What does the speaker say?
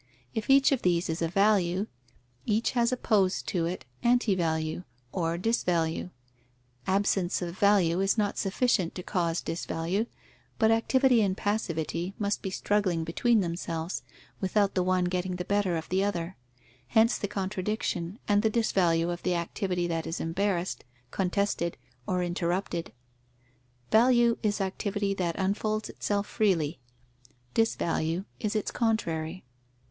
If each of these is a value, each has opposed to it antivalue or disvalue. Absence of value is not sufficient to cause disvalue, but activity and passivity must be struggling between themselves, without the one getting the better of the other; hence the contradiction, and the disvalue of the activity that is embarrassed, contested, or interrupted. Value is activity that unfolds itself freely: disvalue is its contrary.